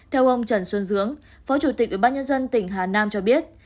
theo ông trần xuân dưỡng phó chủ tịch ubnd tỉnh hà nam cho biết